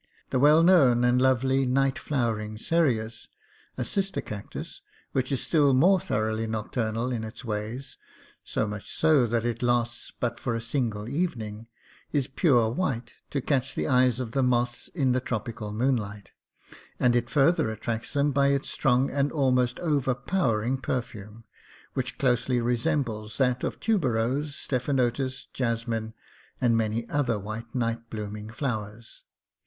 The well known and lovely night flowering cereus, a sister cactus, which is still more thoroughly nocturnal in its ways (so much so that it lasts but for a single evening), is pure white, to catch the eyes of the moths in the tropical moon light, and it further attracts them by its strong and almost over powering perfume, which closely resembles that of tuberose, steph anotis, jasmine, and many other white night blooming flowers.